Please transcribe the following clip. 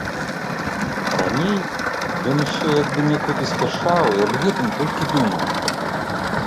Раней ён усё як бы некуды спяшаў і аб гэтым толькі думаў.